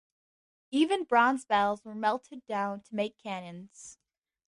Even bronze bells were melted down to make cannons.